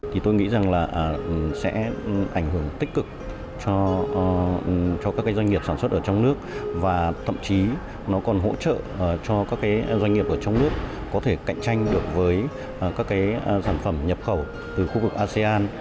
thì tôi nghĩ rằng là sẽ ảnh hưởng tích cực cho các doanh nghiệp sản xuất ở trong nước và thậm chí nó còn hỗ trợ cho các doanh nghiệp ở trong nước có thể cạnh tranh được với các cái sản phẩm nhập khẩu từ khu vực asean